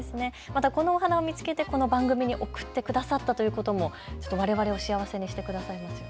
またこのお花を見つけてこの番組に送ってくださったということもわれわれを幸せにしてくださいましたね。